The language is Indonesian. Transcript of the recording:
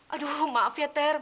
aduh maaf ya ter